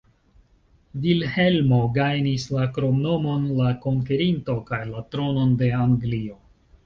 Vilhelmo gajnis la kromnomon "la Konkerinto" kaj la tronon de Anglio.